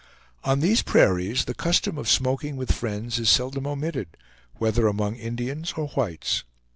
On these prairies the custom of smoking with friends is seldom omitted, whether among Indians or whites.